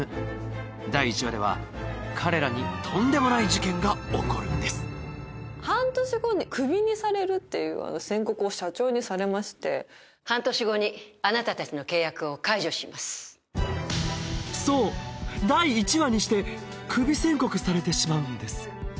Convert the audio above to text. ８ＬＯＯＭ第１話では彼らにとんでもない事件が起こるんですっていう宣告を社長にされまして半年後にあなたたちの契約を解除しますそう第１話にしてクビ宣告されてしまうんです